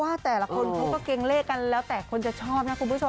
แต่ละคนเขาก็เกรงเลขกันแล้วแต่คนจะชอบนะคุณผู้ชม